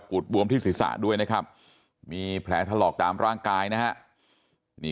ดบวมที่ศีรษะด้วยนะครับมีแผลถลอกตามร่างกายนะฮะนี่